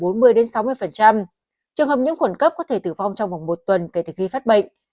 trường hợp nhiễm khuẩn cấp có thể tử vong trong vòng một tuần kể từ khi phát bệnh